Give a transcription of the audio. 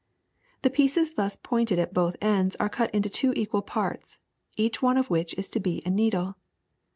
'^ The pieces thus pointed at both ends are cut into two equal parts, each one of which is to be a needle.